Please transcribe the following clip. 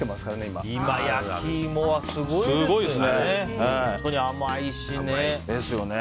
今、焼き芋はすごいですよね。